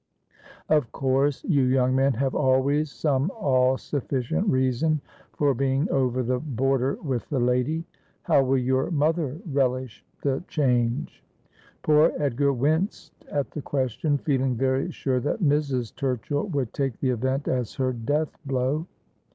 ' Of course. You young men have always some all sufficient reason for being over the border with the lady. How will your mother relish the change ?' Poor Edgar winced at the question, feeling very sure that Mrs. Turchill would take the event as her death blow.